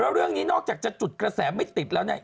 แล้วเรื่องนี้นอกจากจะจุดกระแสไม่ติดแล้ว